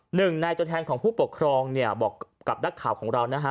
หนึ่งในตัวแทนของผู้ปกครองเนี่ยบอกกับนักข่าวของเรานะฮะ